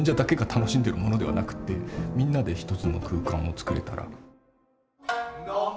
楽しんでるものではなくてみんなで一つの空間を作れたら。